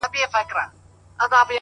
يو وار نوک ځاى که، بيا سوک.